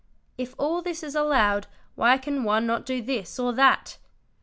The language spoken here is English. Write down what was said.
'If all this is allowed, why can one not do this or that?"